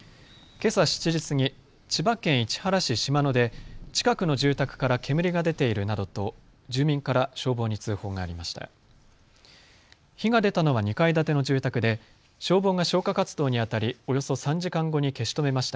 けさ７時過ぎ千葉県市原市島野で近くの住宅から煙が出ているなどと住民から消防に通報がありました。